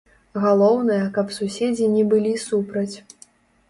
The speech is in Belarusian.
Галоўнае, каб суседзі не былі супраць.